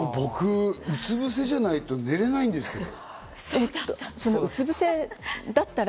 僕、うつぶせじゃないと寝れないんですけど。